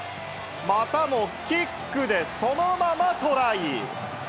またもキックでそのままトライ。